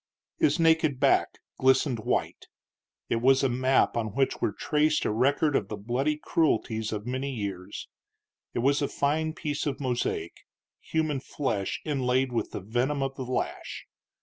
His naked back glistened white. It was a map on which were traced a record of the bloody cruelties of many years; it was a fine piece of mosaic human flesh inlaid with the venom of the lash.